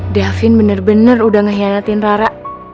davin bener bener udah ngehianatin rara